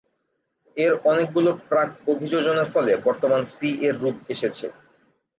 এর অনেকগুলো প্রাক-অভিযোজনের ফলে বর্তমান সি এর রূপ এসেছে।